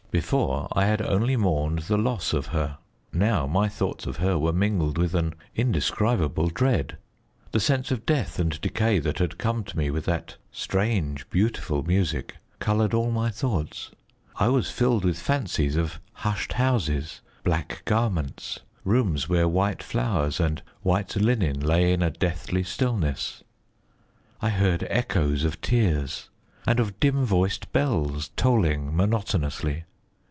Before, I had only mourned the loss of her: now, my thoughts of her were mingled with an indescribable dread. The sense of death and decay that had come to me with that strange, beautiful music, coloured all my thoughts. I was filled with fancies of hushed houses, black garments, rooms where white flowers and white linen lay in a deathly stillness. I heard echoes of tears, and of dim voiced bells tolling monotonously.